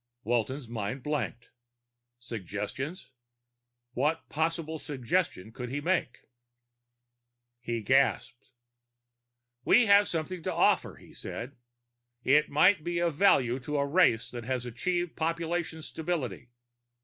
Walton's mind blanked. Suggestions? What possible suggestion could he make? He gasped. "We have something to offer," he said. "It might be of value to a race that has achieved population stability.